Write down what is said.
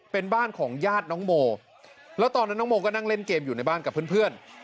เป็นบ้านของญาติน้องโมแล้วตอนนั้นน้องโมก็นั่งเล่นเกมอยู่ในบ้านกับเพื่อน